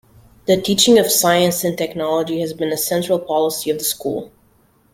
The teaching of science and technology has been a central policy of the school.